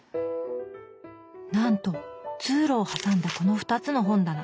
なんと通路を挟んだこの２つの本棚。